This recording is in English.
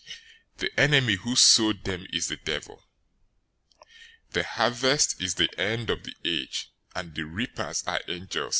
013:039 The enemy who sowed them is the devil. The harvest is the end of the age, and the reapers are angels.